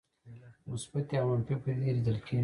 مثبتې او منفي پدیدې لیدل کېږي.